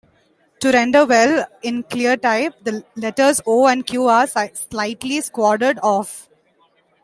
To render well in ClearType, the letters "O" and "Q" are slightly squared-off.